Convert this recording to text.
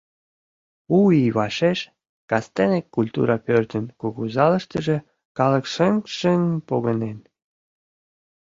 У ий вашеш кастене Культура пӧртын кугу залыштыже калык шыҥ-шыҥ погынен.